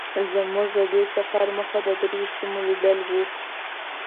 زمونږ د دې سفر موخه درېيو سیمو لیدل وو.